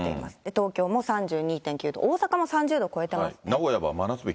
東京も３２．９度、大阪も３０度超えてます。